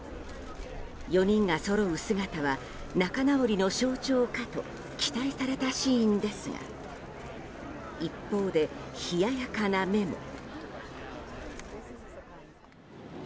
４人がそろう姿は仲直りの象徴かと期待されたシーンですが一方で冷ややかな目も。